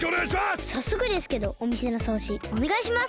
さっそくですけどおみせのそうじおねがいします。